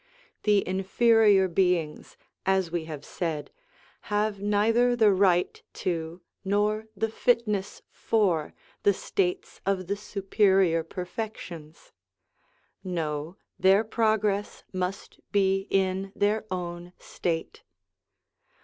The inferior beings, as we have said, have neither the right to, nor the fitness for, the states of the superior perfections : no, their progress must be in their own state.